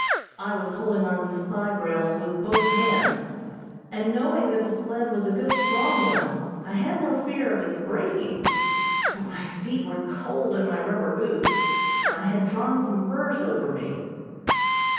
I was holding to the side rails with both hands, and knowing that the sled was a good, strong one, I had no fear of its breaking, but my feet were cold in my rubber boots, and I had drawn some furs over me.